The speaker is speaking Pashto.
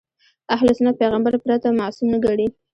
اهل سنت پیغمبر پرته معصوم نه ګڼي.